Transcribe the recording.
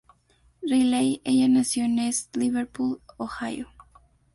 Riley, ella nació en East Liverpool, Ohio.